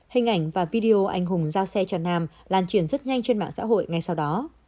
hình ảnh và video anh hùng giao xe cho nam làn chuyển rất nhanh trên mạng giáo hội ngay sau đó